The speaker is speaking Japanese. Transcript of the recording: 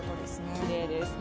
きれいです。